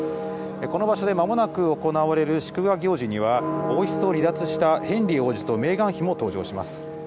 この場所でまもなく行われる祝賀行事には、王室を離脱したヘンリー王子とメーガン妃も登場します。